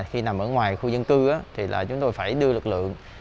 khi nằm ở ngoài khu dân cư chúng tôi phải đưa lực lượng